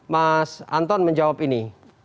mas anton menjawab ini